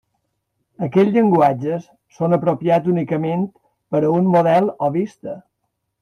Aquests llenguatges són apropiats únicament per a un model o vista.